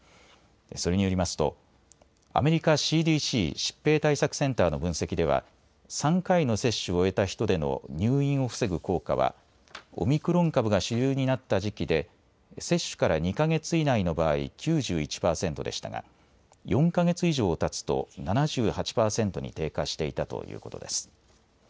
それによりますとアメリカＣＤＣ・疾病対策センターの分析では３回の接種を終えた人での入院を防ぐ効果は、オミクロン株が主流になった時期で接種から２か月以内の場合、９１％でしたが４か月以上たつと７８％に低下していたということです。